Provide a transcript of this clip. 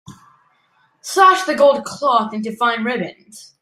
Slash the gold cloth into fine ribbons.